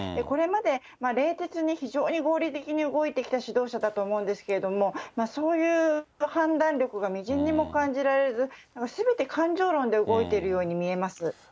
これまで冷徹に、非常に合理的に動いてきた指導者だと思うんですけれども、そういう判断力がみじんにも感じられず、すべて感情論で動いているように見えます。